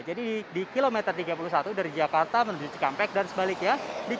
jadi di km tiga puluh satu dari jakarta menuju cikampek dan sebaliknya di km empat puluh tujuh dari arah karawang barat